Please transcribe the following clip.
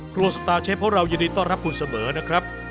ครัวสตาเชฟเพราะเรายินดีต้อนรับคุณเสมอนะครับ